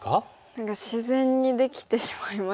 何か自然にできてしまいましたね。